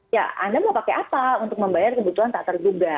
ya anda mau pakai apa untuk membayar kebutuhan tak terduga